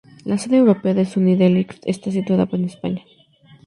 La sede europea de Sunny Delight está situada en España.